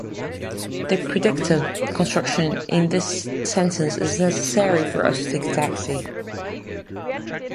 The predicative construction in this sentence is "necessary for us to take a taxi".